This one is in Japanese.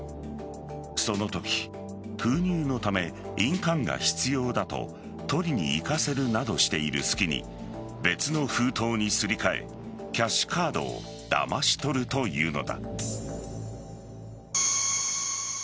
そのとき封入のため印鑑が必要だと取りに行かせるなどしている隙に別の封筒にすり替えキャッシュカードをだまし取るというのだ。